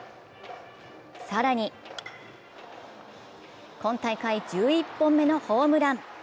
更に今大会１１本目のホームラン。